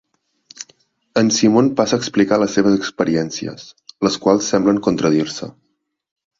En Simon passa a explicar les seves experiències, les quals semblen contradir-se.